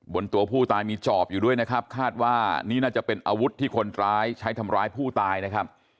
ตัวผู้ตายมีจอบอยู่ด้วยนะครับคาดว่านี่น่าจะเป็นอาวุธที่คนร้ายใช้ทำร้ายผู้ตายนะครับ